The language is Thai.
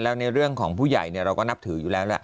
แล้วในเรื่องของผู้ใหญ่เราก็นับถืออยู่แล้วแหละ